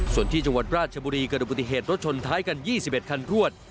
ส่วนที่จังหวัดราชบุรีเกิดอุบัติเหตุรถชนท้ายกัน๒๑คันรวด